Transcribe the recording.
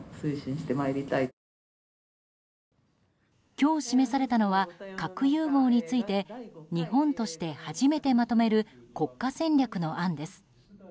今日示されたのは核融合について日本として初めてまとめる国家戦略の案です。